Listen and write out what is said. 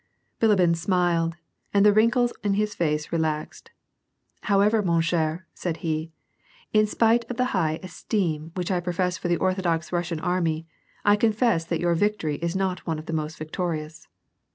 Bilibin smiled, and the wrinkles in his face relaxed. " However, man cher" said he, " in spite of the high estime which I profess for the Orthodox Kussian army, I confess that your victory is not one of the most victorious."